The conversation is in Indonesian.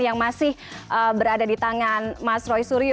yang masih berada di tangan mas roy suryo